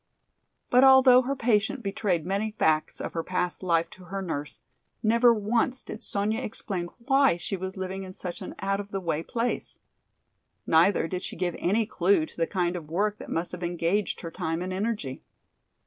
But although her patient betrayed many facts of her past life to her nurse, never once did Sonya explain why she was living in such an out of the way place. Neither did she give any clue to the kind of work that must have engaged her time and energy.